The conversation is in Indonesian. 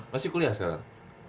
masih kuliah sekarang